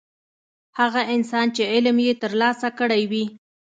هغه انسان چې علم یې ترلاسه کړی وي.